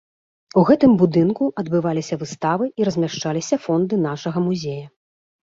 У гэтым будынку адбываліся выставы і размяшчаліся фонды нашага музея.